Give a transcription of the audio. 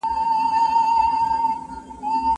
بدن د استراحت حالت پرېږدي.